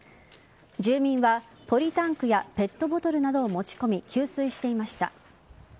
住民はポリタンクやペットボトルなどを持ち込み給水していました。